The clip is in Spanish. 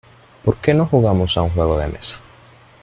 ¿Por qué no jugamos a un juego de mesa?